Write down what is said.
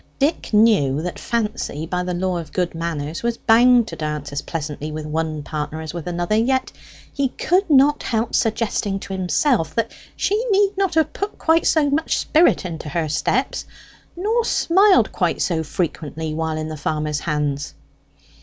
Dick knew that Fancy, by the law of good manners, was bound to dance as pleasantly with one partner as with another; yet he could not help suggesting to himself that she need not have put quite so much spirit into her steps, nor smiled quite so frequently whilst in the farmer's hands.